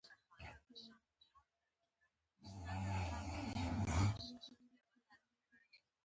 مېلمه ته احترام ضروري دی.